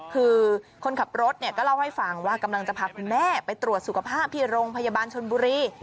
คือคนขับรถเนี่ยก็เล่าให้ฟังว่ากำลังจะพาคุณแม่ไปตรวจสุขภาพที่โรงพยาบาลชนบุรี